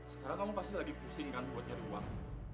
sekarang kamu pasti lagi pusing kan buat nyari uang